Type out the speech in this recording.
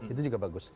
itu juga bagus